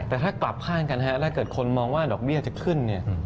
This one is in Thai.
แต่ถ้ากลับข้างกันให้แล้วเกิดคนมองว่าดอกเบี้ยจะขึ้น